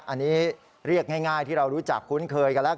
อันนี้เรียกง่ายที่เรารู้จักคุ้นเคยกันแล้ว